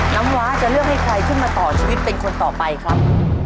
น้ำว้าจะเลือกให้ใครขึ้นมาต่อชีวิตเป็นคนต่อไปครับ